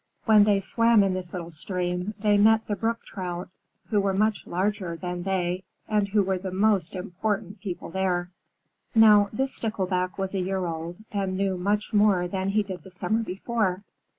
When they swam in this little stream, they met the Brook Trout, who were much larger than they, and who were the most important people there. Now this Stickleback was a year old and knew much more than he did the summer before.